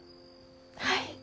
はい。